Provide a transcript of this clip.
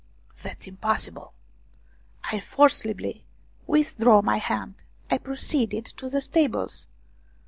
" That's impossible." I forcibly withdrew my hand. I proceeded to the stables.